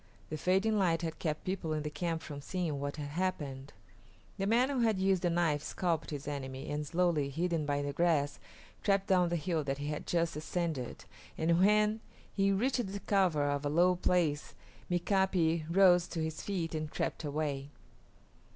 The fading light had kept people in the camp from seeing what had happened. The man who had used the knife scalped his enemy, and slowly, hidden by the grass, crept down the hill that he had just ascended, and when he reached the cover of a low place Mika´pi rose to his feet and crept away.